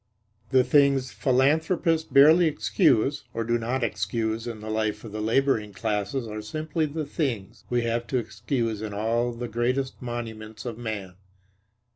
The things philanthropists barely excuse (or do not excuse) in the life of the laboring classes are simply the things we have to excuse in all the greatest monuments of man.